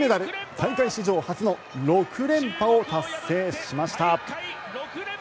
大会史上初の６連覇を達成しました。